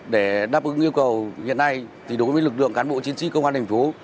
để đáp ứng yêu cầu hiện nay đối với lực lượng cán bộ chiến sĩ công an thành phố